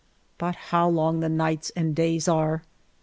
But how long the nights and days are